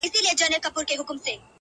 چي که مړ سوم زه به څرنګه یادېږم؟-